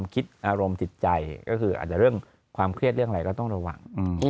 คิดอารมณ์จิตใจก็คืออาจจะเรื่องความเครียดเรื่องอะไรก็ต้องระวัง